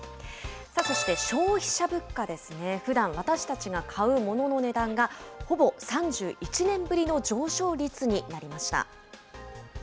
そして消費者物価ですね、ふだん、私たちが買うものの値段が、ほぼ３１年ぶりの上昇率になりました。